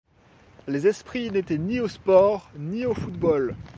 Les esprits n’étaient ni au sport, ni au football.